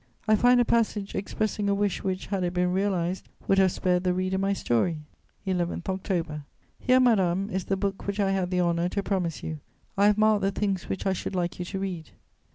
I find a passage expressing a wish which, had it been realized, would have spared the reader my story: "11 October. "Here, madame, is the book which I had the honour to promise you. I have marked the things which I should like you to read....